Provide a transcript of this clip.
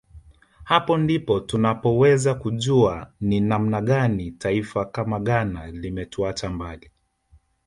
Hapo ndipo tunapoweza kujua ni namna gani taifa kama Ghana limetuacha mbali